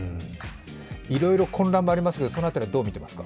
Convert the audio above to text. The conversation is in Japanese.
いろいろ混乱もありますが、その辺りはどう見ていますか？